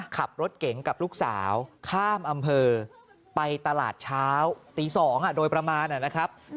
ขับรถเก๋งกับลูกสาวข้ามอำเภอไปตลาดเช้าตี๒โดยประมาณนะครับ